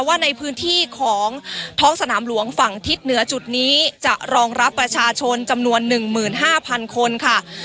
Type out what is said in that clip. ว่าในพื้นที่ของท้องสนามหลวงฝั่งทิศเหนือจุดนี้จะรองรับประชาชนจำนวน๑๕๐๐๐คนค่ะ